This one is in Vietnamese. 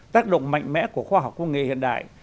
tác động mạnh mẽ của khoa học công nghệ hiện đại